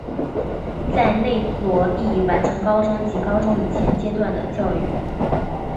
在内罗毕完成高中及高中以前阶段的教育。